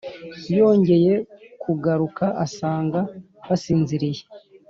Yongeye kugaruka asanga basinziriye